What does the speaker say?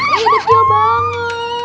iya kecil banget